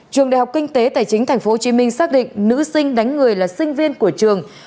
trường đại học kinh tế tài chính tp hcm xác định nữ sinh đánh người là sinh viên của trường